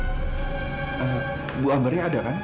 siapa tau aku bisa ngobrol sama bu ambar tentang pernikahannya kamila